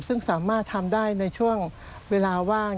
ซึ่งสามารถทำได้ในช่วงเวลาว่าง